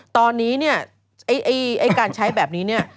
ตอนนี้เนี่ยไอ้การใช้แบบนี้เนี่ย